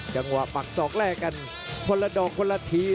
จังหวะปักศอกแรกกันคนละดอกคนละที